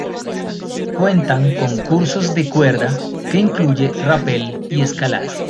Cuentan con cursos de cuerda, que incluyen rapel y escalada.